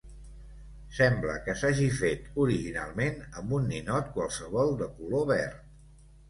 Sembla que s"hagi fet originalment amb un ninot qualsevol de color verd.